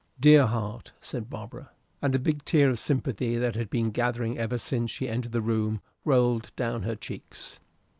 "Dear heart!" said Barbara, and a big tear of sympathy, that had been gathering ever since she entered the room, rolled down her cheeks.